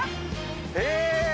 え！